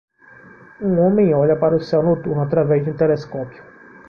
Um homem olha para o céu noturno através de um telescópio.